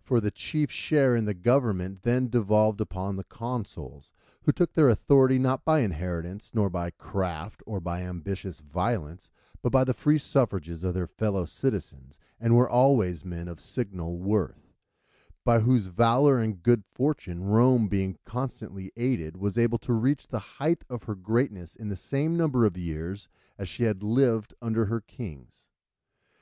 For the chief share in the government then devolved upon the consuls, who took their authority not by inheritance, nor yet by craft or by ambitious violence, but by the free suffrages of their fellow citizens, and were always men of signal worth; by whose valour and good fortune Rome being constantly aided, was able to reach the height of her greatness in the same number of years as she had lived under her kings.